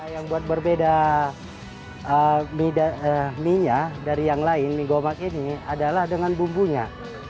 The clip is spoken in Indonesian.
yang buat berbeda mie nya dari yang lain mie gomak ini adalah dengan bumbunya